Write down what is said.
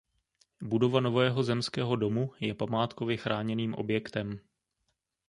Budova Nového zemského domu je památkově chráněným objektem.